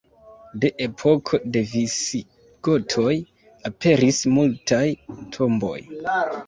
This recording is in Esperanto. De epoko de visigotoj aperis multaj tomboj.